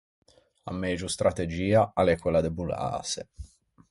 A megio strategia a l’é quella de bollâse.